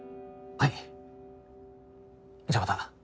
はい。